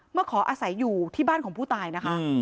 มาขออาศัยอยู่ที่บ้านของผู้ตายนะคะ